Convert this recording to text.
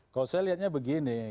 kalau saya lihatnya begini